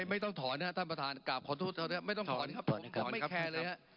ไม่ต้องถอนนะครับท่านประธานกราบขอโทษไม่ต้องถอนครับถอนไม่แคร์เลยฮะ